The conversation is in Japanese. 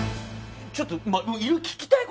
ちょっと。